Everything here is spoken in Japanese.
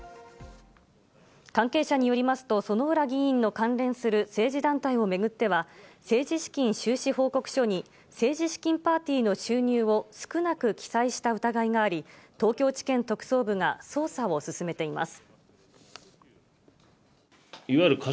関係者によりますと、薗浦議員の関連する政治団体をめぐっては、政治資金収支報告書に政治資金パーティーの収入を少なく記載した疑いがあり、東京地検特捜部が捜査を進めています。